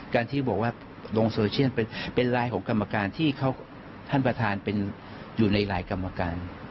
การที่บอกว่าลงโซเชียลเป็นไลน์ของกรรมการที่ท่านประธานเป็นอยู่ในหลายกรรมการ